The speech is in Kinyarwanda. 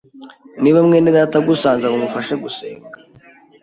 niba mwedata agusanze ngo umufashe gusenga